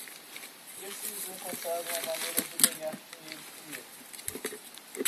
Preciso encontrar uma maneira de ganhar dinheiro primeiro.